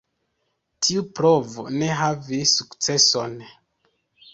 Tiu provo ne havis sukceson.